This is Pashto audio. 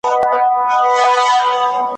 ژباړه: اتل